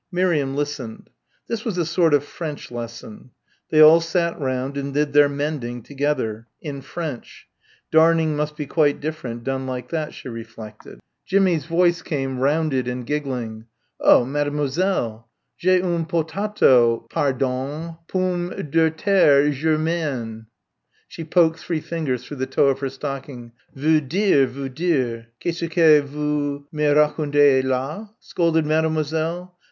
Miriam listened. This was a sort of French lesson. They all sat round and did their mending together in French darning must be quite different done like that, she reflected. Jimmie's voice came, rounded and giggling, "Oh, Mademoiselle! j'ai une potato, pardong, pum de terre, je mean." She poked three fingers through the toe of her stocking. "Veux dire, veux dire Qu'est ce que vous me racontez là?" scolded Mademoiselle.